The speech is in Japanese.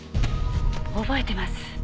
覚えてます。